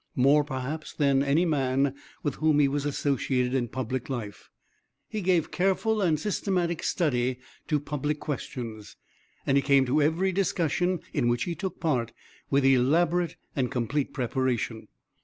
More, perhaps, than any man with whom he was associated in public life, he gave careful and systematic study to public questions, and he came to every discussion in which he took part with elaborate and complete preparation.